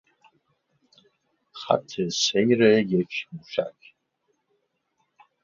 خط سیر یک موشک